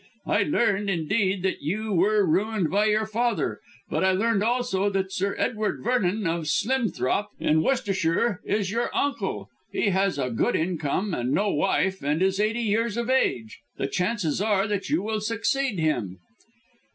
I learned, indeed, that you were ruined by your father, but I learned also that Sir Edward Vernon, of Slimthorp, in Worcestershire, is your uncle. He has a good income and no wife and is eighty years of age. The chances are that you will succeed him."